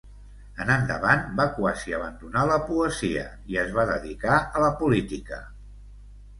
En endavant va quasi abandonar la poesia i es va dedicar a la política.